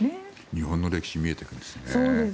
日本の歴史が見えてくるんですね。